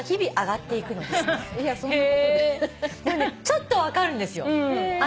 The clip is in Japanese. ちょっと分かるんですよ。